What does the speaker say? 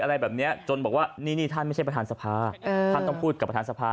อะไรแบบนี้จนบอกว่านี่นี่ท่านไม่ใช่ประธานสภาท่านต้องพูดกับประธานสภา